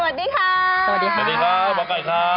สวัสดีค่ะหมอกัยค่ะ